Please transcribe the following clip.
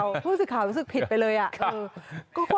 ผู้สื่อข่าวรู้สึกผิดไปเลยอะ